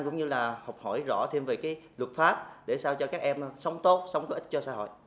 cũng như là học hỏi rõ thêm về cái luật pháp để sao cho các em sống tốt sống có ích cho xã hội